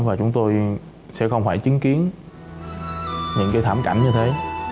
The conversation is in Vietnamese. và chúng tôi sẽ không phải chứng kiến những cái thảm cảnh như thế